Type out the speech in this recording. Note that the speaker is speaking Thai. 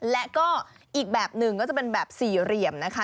และก็อีกแบบหนึ่งก็จะเป็นแบบสี่เหลี่ยมนะคะ